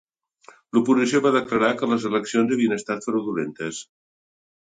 L'oposició va declarar que les eleccions havien estat fraudulentes.